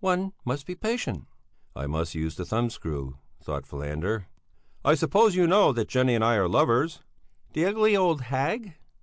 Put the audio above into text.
"One must be patient." I must use the thumbscrew, thought Falander. "I suppose you know that Jenny and I are lovers?" "The ugly, old hag!"